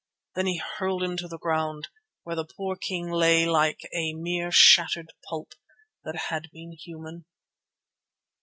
Then he hurled him to the ground, where the poor king lay a mere shattered pulp that had been human.